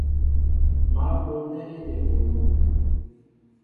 Mă ɓolnέ ejém ebolo.